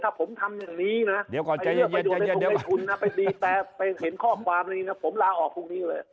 ถ้าผมทำอย่างนี้นะเดี๋ยวก่อนใจเย็นแต่เห็นข้อความนี้นะผมลาออกพรุ่งนี้เลย